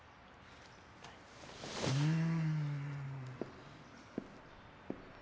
うん。